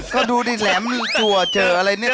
ก็ดูดินแหลมจันเจ๋ออะไรเนี่ย